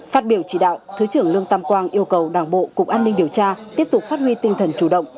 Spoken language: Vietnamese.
phát biểu chỉ đạo thứ trưởng lương tam quang yêu cầu đảng bộ cục an ninh điều tra tiếp tục phát huy tinh thần chủ động